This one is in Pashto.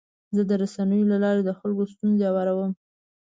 زه د رسنیو له لارې د خلکو ستونزې اورم.